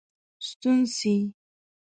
ستون سي.